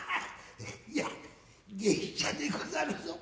いや芸者でござるぞ。